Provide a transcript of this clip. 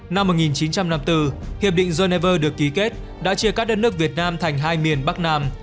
năm một nghìn chín trăm năm mươi bốn hiệp định geneva được ký kết đã chia cắt đất nước việt nam thành hai miền bắc nam